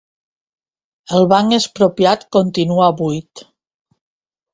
El Banc Expropiat continua buit